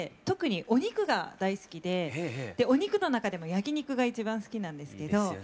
特にお肉が大好きでお肉の中でも焼き肉が一番好きなんですけど。